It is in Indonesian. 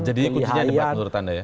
jadi ikutinnya debat menurut anda ya